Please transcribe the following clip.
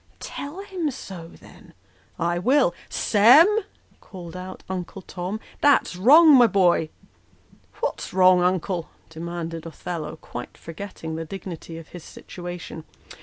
" Tell him so, then." " I will. Sem !" called out Uncle Tom, " that's wrong, my boy." " What's wrong, Uncle ?" demanded Othello, quite forgetting the dignity of his situation.